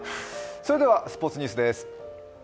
それではスポーツニュースです。